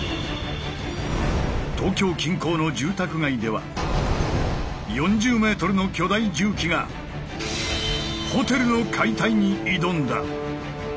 東京近郊の住宅街では４０ｍの巨大重機がホテルの解体に挑んだ。